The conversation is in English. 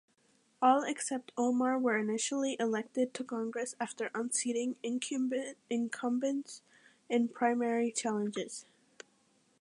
All except Omar were initially elected to Congress after unseating incumbents in primary challenges.